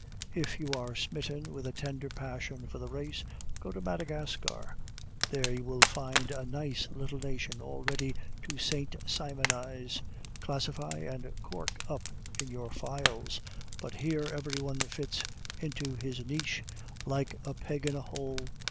If you are smitten with a tender passion for the race, go to Madagascar; there you will find a nice little nation all ready to Saint Simonize, classify, and cork up in your phials, but here every one fits into his niche like a peg in a hole.